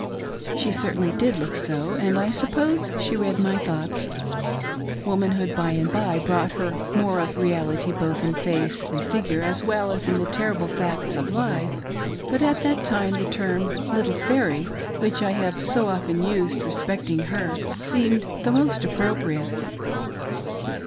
She certainly did look so, and I suppose she read my thoughts. Womanhood, by and by, brought to her more of reality both in face and figure as well as in the terrible facts of life ; but at that time the term " little fairy," which I have so often used respecting her, seemed the most appropriate.